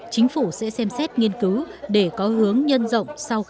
chính phủ sẽ xem xét nghiên cứu để có hướng nhân rộng